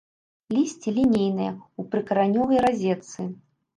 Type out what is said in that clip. Лісце лінейнае, у прыкаранёвай разетцы.